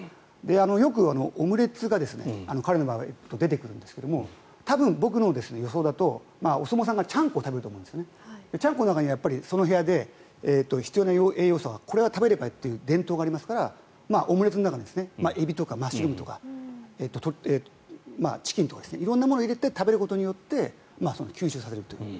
よくオムレツが彼の場合は出てくるんですけど多分僕の予想だとお相撲さんってちゃんこ食べると思うんですがちゃんこの中にはその部屋で必要な栄養素がこれは食べればいいという伝統がありますからオムレツの中に、エビとかマッシュルームとかチキンとか色んなものを入れて食べることで吸収させるという。